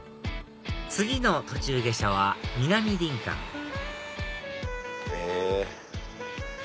次の途中下車は南林間へぇ！